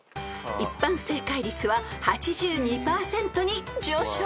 ［一般正解率は８２％に上昇］